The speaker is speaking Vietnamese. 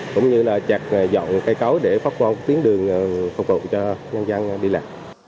cũng như chặt dọn cây cấu để phát quan tiến đường phục vụ cho nhân dân đi lại